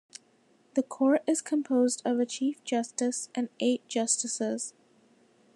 The Court is composed of a Chief Justice and eight Justices.